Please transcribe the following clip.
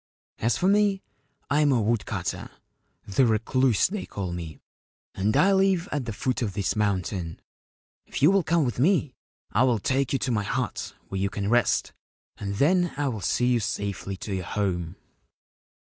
As for me, I am a woodcutter. The " Recluse " they call me, and I live at the foot of this mountain. If you will come with me I will take you to my hut, where you can rest ; and then I will see you safely to your home.'